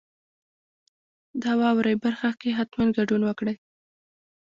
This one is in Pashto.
د واورئ برخه کې حتما ګډون وکړئ.